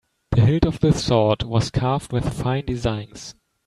The hilt of the sword was carved with fine designs.